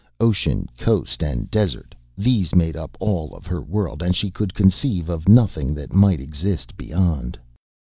Ocean, coast and desert, these made up all of her world and she could conceive of nothing that might exist beyond.